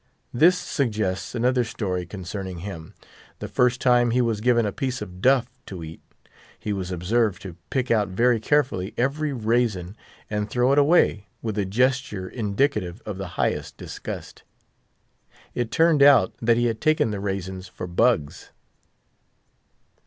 This suggests another story concerning him. The first time he was given a piece of "duff" to eat, he was observed to pick out very carefully every raisin, and throw it away, with a gesture indicative of the highest disgust. It turned out that he had taken the raisins for bugs.